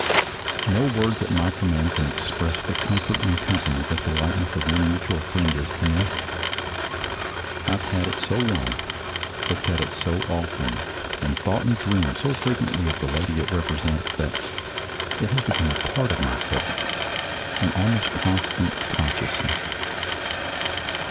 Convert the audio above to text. No words at my command can express the comfort and company that the likeness of our mutual friend is to me. I have had it so long, looked at it so often, and thought and dreamed so frequently of the lady it represents, that it has become a part of myself — an almost constant consciousness.